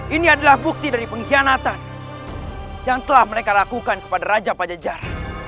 ini adalah bukti dari pengkhianatan yang telah mereka lakukan kepada raja pajajar